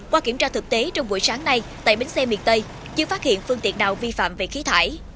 qua kiểm tra thực tế trong buổi sáng nay tại bến xe miền tây chưa phát hiện phương tiện nào vi phạm về khí thải